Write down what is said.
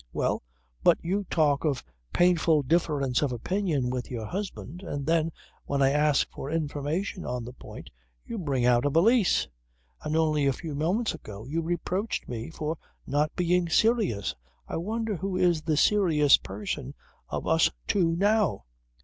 "Well, but you talk of a painful difference of opinion with your husband, and then, when I ask for information on the point, you bring out a valise. And only a few moments ago you reproached me for not being serious. I wonder who is the serious person of us two now."